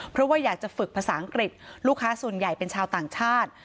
เพราะว่าอยากจะฝึกภาษาอังกฤษลูกค้าส่วนใหญ่เป็นชาวต่างชาติ